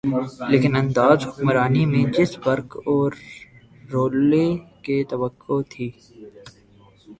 لیکن انداز حکمرانی میں جس برق اورولولے کی توقع تھی۔